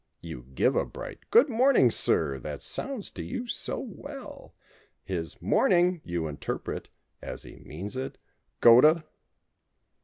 You give a bright "Good morning. Sir!" that sounds to you so well— ^His "Morning!" you interpret, as he means it: "Go to